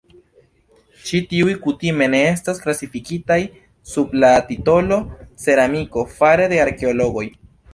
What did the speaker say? Ĉi tiuj kutime ne estas klasifikitaj sub la titolo "ceramiko" fare de arkeologoj.